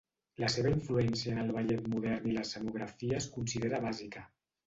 La seva influència en el ballet modern i l'escenografia es considera bàsica.